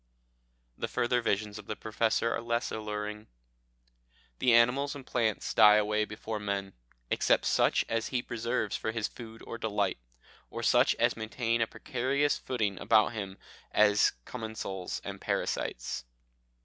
The further visions of the Professor are less alluring. "The animals and plants die away before men, except such as he preserves for his food or delight, or such as maintain a precarious footing about him as commensals and parasites.